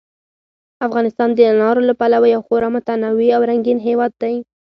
افغانستان د انارو له پلوه یو خورا متنوع او رنګین هېواد دی.